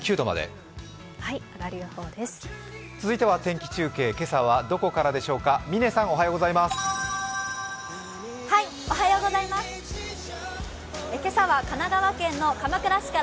続いては天気中継、今朝はどこからでしょうか。